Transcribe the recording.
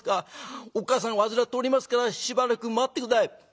おっ母さん患っておりますからしばらく待って下さい」。